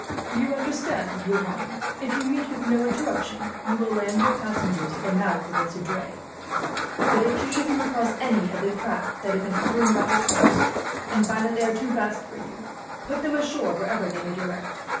"You understand, Johan, if you meet with no interruption, you will land your passengers at the mouth of the Seudre; but if you should come across any of the craft that have been hovering about the coast, and find that they are too fast for you, put them ashore wherever they may direct.